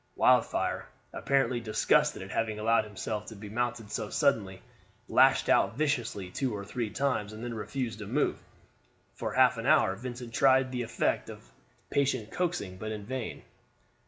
Wildfire, apparently disgusted at having allowed himself to be mounted so suddenly, lashed out viciously two or three times, and then refused to move. For half an hour Vincent tried the effect of patient coaxing, but in vain.